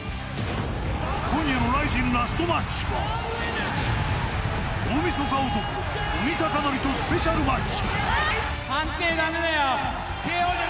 今夜のＲＩＺＩＮラストマッチは大みそか男、五味隆典とスペシャルマッチ。